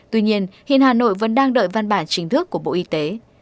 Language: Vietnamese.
tuy nhiên hiện hà nội vẫn đang đợi văn bản chính thức của bộ y tế